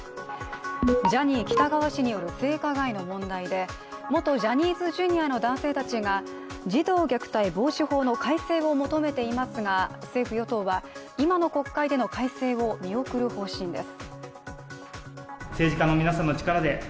ジャニー喜多川氏による性加害の問題で元ジャニーズＪｒ．の男性たちが児童虐待防止法の改正を求めていますが政府・与党は今の国会での改正を見送る方針です。